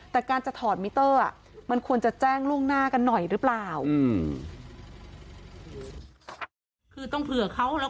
แต่การจะถอดมิเตอร์มันควรจะแจ้งล่วงหน้ากันหน่อยหรือเปล่า